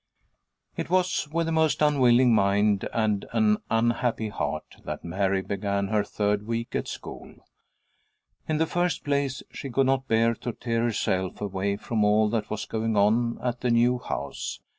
IT was with a most unwilling mind and an unhappy heart that Mary began her third week at school. In the first place she could not bear to tear herself away from all that was going on at the new house.